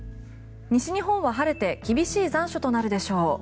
西日本は晴れて厳しい残暑となるでしょう。